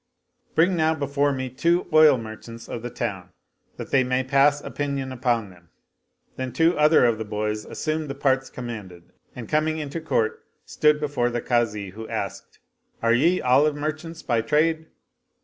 Bring now before me two oil merchants of the town that they may pass opinion upon them." Then two other of the boys assumed the parts commanded and coming into court stood before the Kazi, who asked« Are ye olive merchants by trade?"